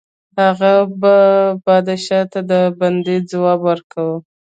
هغه به پادشاه ته د بندي ځواب ورکاوه.